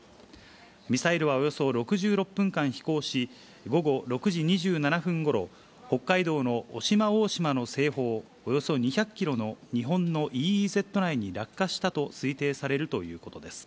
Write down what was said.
ミサイルはおよそ６６分間飛行し、午後６時２７分ごろ、北海道の渡島大島の西方およそ２００キロの日本のＥＥＺ内に落下したと推定されるということです。